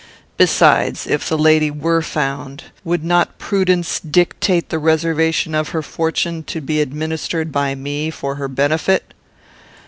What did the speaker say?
Besides, if the lady were found, would not prudence dictate the reservation of her fortune to be administered by me, for her benefit?